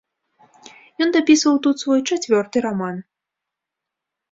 Ён дапісваў тут свой чацвёрты раман.